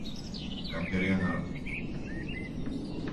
Cambiarían algo?